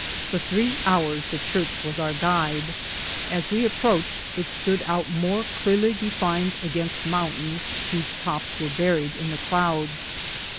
For three hours the church was our guide. As we ap proached, it stood out more clearly defined against mountains whose tops were buried in the clouds.